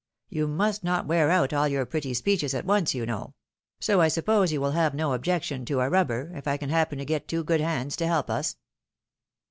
You must not wear out aU your pretty speeches at once, you know — so I suppose you will have no objection to a rubber, if I can happen to get two good hands to help us